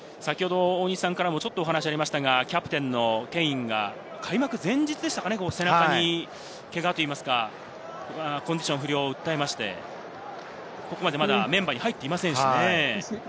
先ほど大西さんからもありましたが、キャプテンのケインが開幕前日でしたが、背中のけが、コンディションの不良を訴えて、まだメンバーに入っていません。